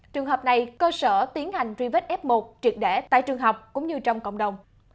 trường hợp này cơ sở tiến hành truy vết f một triệt đẻ tại trường học cũng như trong cộng đồng